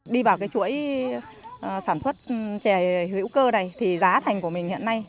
đi vào cái chuỗi sản xuất chè hữu cơ này thì giá thành của mình hiện nay